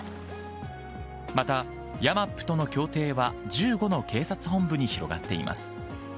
またヤマップとの協定は１５の警察本部に広がっています。